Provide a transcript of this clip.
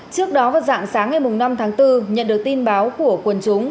trước đó vào dạng sáng ngày năm tháng bốn nhận được tin báo của quần chúng